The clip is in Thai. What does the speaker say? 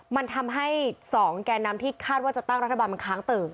มันทำให้๒แก่นำที่คาดว่าจะตั้งรัฐบาลมันค้างเติ่ง